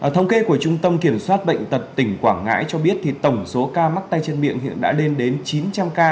thống kê của trung tâm kiểm soát bệnh tật tỉnh quảng ngãi cho biết tổng số ca mắc tay chân miệng hiện đã lên đến chín trăm linh ca